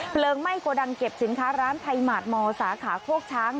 ไหม้โกดังเก็บสินค้าร้านไทยหมาดมสาขาโคกช้าง